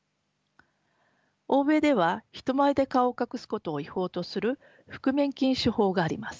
欧米では人前で顔を隠すことを違法とする覆面禁止法があります。